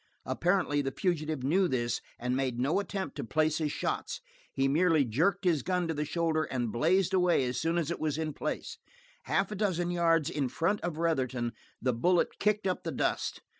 Apparently the fugitive knew this and made no attempt to place his shots. He merely jerked his gun to the shoulder and blazed away as soon as it was in place; half a dozen yards in front of Retherton the bullet kicked up the dust.